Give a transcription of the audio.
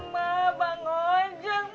mak bangun aja mak